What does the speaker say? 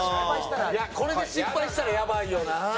これで失敗したらやばいよな。